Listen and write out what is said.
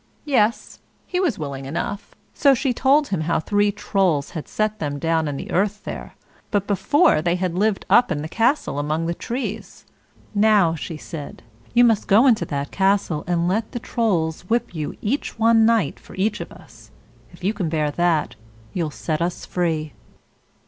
"Yes;" he was willing enough; so she told him how three Trolls had set them down in the earth there; but before they had lived in the castle up among the trees. "Now," she said, "you must go into that castle, and let the Trolls whip you each one night for each of us. If you can bear that, you'll set us free."